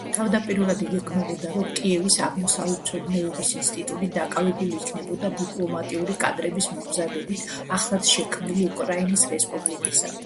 თავდაპირველად იგეგმებოდა, რომ კიევის აღმოსავლეთმცოდნეობის ინსტიტუტი დაკავებული იქნებოდა დიპლომატიური კადრების მომზადებით ახლადშექმნილი უკრაინის რესპუბლიკისათვის.